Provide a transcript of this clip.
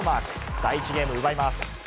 第１ゲームを奪います。